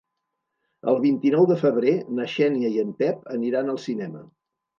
El vint-i-nou de febrer na Xènia i en Pep aniran al cinema.